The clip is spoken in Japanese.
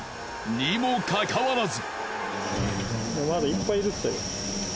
にもかかわらず。